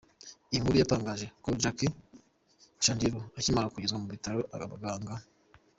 iyi nkuru, yatangaje ko Jackie Chandiru akimara kugezwa mu bitaro, abaganga.